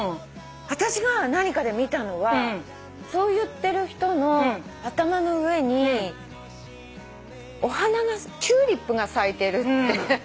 私が何かで見たのはそう言ってる人の頭の上にお花がチューリップが咲いてるって。